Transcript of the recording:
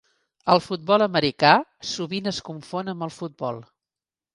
El futbol americà sovint es confon amb el futbol.